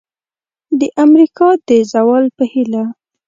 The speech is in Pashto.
د امریکا د زوال په هیله!